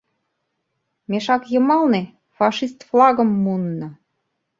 — Мешак йымалне фашист флагым муынна.